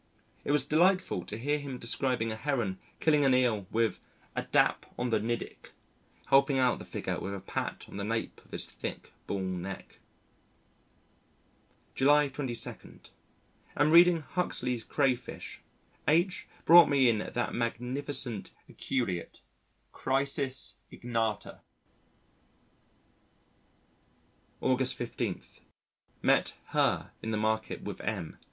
It was delightful to hear him describing a Heron killing an Eel with "a dap on the niddick," helping out the figure with a pat on the nape of his thick bull neck. July 22. Am reading Huxley's Crayfish. H brought me in that magnificent aculeate Chrysis ignita. August 15. Met her in the market with M